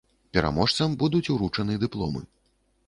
Пераможцам будуць уручаны дыпломы.